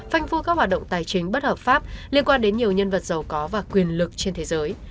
phanh phu các hoạt động tài chính bất hợp pháp liên quan đến nhiều nhân vật giàu có và quyền lực trên thế giới